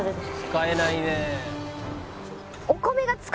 「使えないねえ」